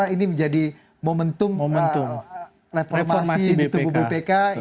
ini menjadi momentum reformasi bupk